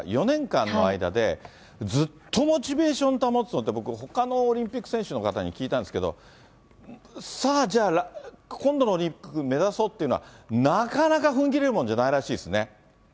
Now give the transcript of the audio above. ４年間の間で、ずっとモチベーションを保つのって、ほかのオリンピック選手の方に聞いたんですけど、さあ、じゃあ今度のオリンピック目指そうっていうのは、なかなかふんぎれるもんじゃないらしいですね。